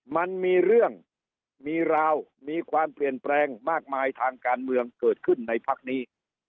มันมีเรื่องมีราวมีความเปลี่ยนแปลงมากมายทางการเมืองเกิดขึ้นในพักนี้